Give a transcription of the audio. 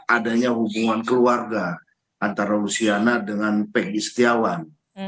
adanya hubungan keluarga antara lusiana dengan pegi setiawan